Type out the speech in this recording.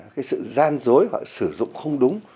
cái sự gian dối hoặc sử dụng không đúng